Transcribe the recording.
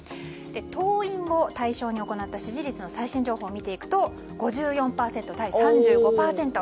党員を対象に行った支持率の最新情報を見ていくと、５４％対３５％。